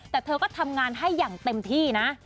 แต่เธอก็ทำงานให้อย่างเต็มที่นะ